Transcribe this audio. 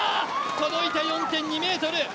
届いた４．２ｍ。